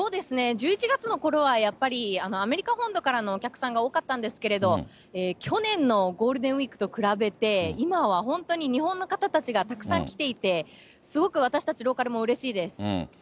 １１月のころは、やっぱりアメリカ本土からのお客さんが多かったんですけれども、去年のゴールデンウィークと比べて、今は本当に日本の方たちがたくさん来ていて、すごく私たちローカルもうれしいです。